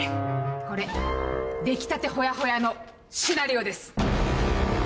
これ出来たてホヤホヤのシナリオです。